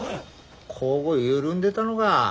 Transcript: こご緩んでたのが。